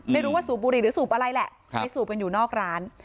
ไม่รู้ว่าสูบบุหรี่หรือสูบอะไรแหละไปสูบกันอยู่นอกร้าน